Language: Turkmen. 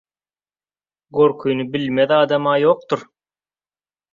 Gorkyny bilmez adam-a ýokdur.